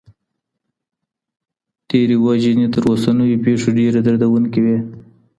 تیري وژني تر اوسنیو پیښو ډېرې دردونکي وې.